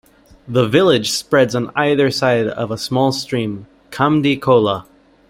The village spreads on either side of a small stream "kamdi khola".